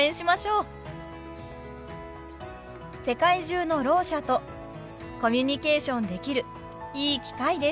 世界中のろう者とコミュニケーションできるいい機会です。